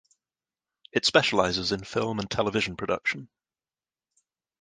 It specializes in film and television production.